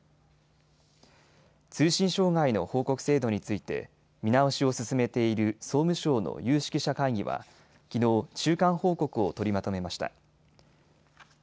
通信障害の報告制度について見直しを進めている総務省の有識者会議はきのう中間報告を取りまとめました。